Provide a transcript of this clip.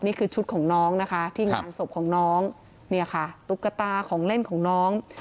นี่คือชุดของน้องนะคะที่งานศพของน้องเนี่ยค่ะตุ๊กตาของเล่นของน้อง